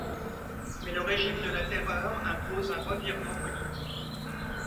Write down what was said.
Mais le régime de la Terreur impose un revirement politique.